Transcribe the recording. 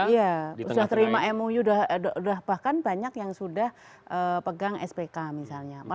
iya sudah terima mou bahkan banyak yang sudah pegang spk misalnya